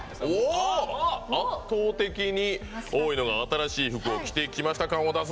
圧倒的に多いのが「新しい服を着てきた感を出す」。